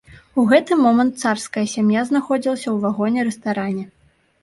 У гэты момант царская сям'я знаходзілася ў вагоне-рэстаране.